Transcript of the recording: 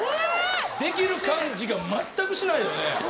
できる感じが全くしないよね